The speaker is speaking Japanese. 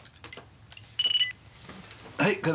はい。